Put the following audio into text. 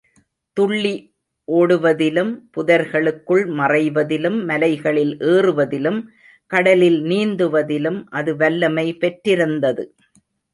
துள்ளி ஒடுவதிலும், புதர்களுக்குள் மறைவதிலும் மலைகளில் ஏறுவதிலும், கடலில் நீந்துவதிலும் அது வல்லமை பெற்றிருந்தது.